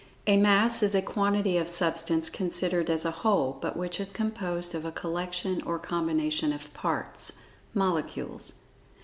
A "Mass" is a quantity of Substance considered as a whole—but which is composed of a collection or combination of parts (molecules.)